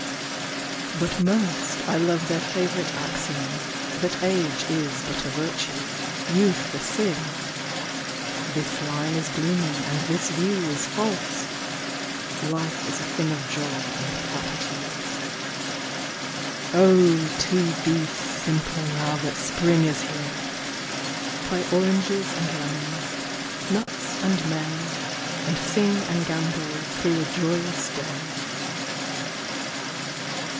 But most I love their favourite axiom That age is but a virtue, youth a sin :—" This line is gloomy and this view is false. Life is a thing of joy and platitudes. Oh ! to be simple now that Spring is here! Play Oranges and Lemons, Nuts and May, And sing and gambol through a joyous day.